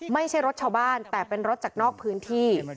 ไม่ใช่รถชาวบ้านแต่เป็นรถจากนอกพื้นที่